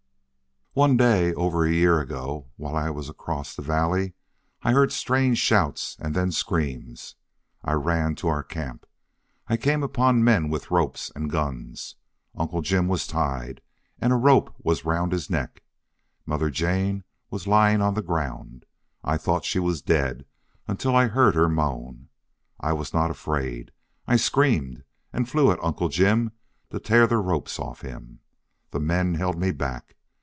"One day, over a year ago, while I was across the valley, I heard strange shouts, and then screams. I ran to our camp. I came upon men with ropes and guns. Uncle Jim was tied, and a rope was round his neck. Mother Jane was lying on the ground. I thought she was dead until I heard her moan. I was not afraid. I screamed and flew at Uncle Jim to tear the ropes off him. The men held me back.